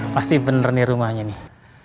pasti bener nih rumahnya nih